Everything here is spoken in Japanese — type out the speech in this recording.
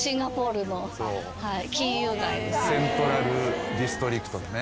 セントラルディストリクトだね。